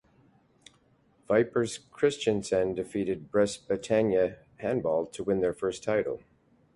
Vipers Kristiansand defeated Brest Bretagne Handball to win their first title.